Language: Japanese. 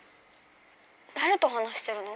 だれと話してるの？